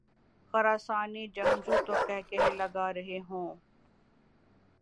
خراسانی جنگجو تو قہقہے لگارہے ہوں۔